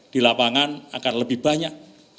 di lapangan akan lebih banyak